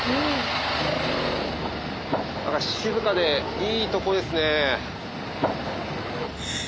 静かでいいとこですね。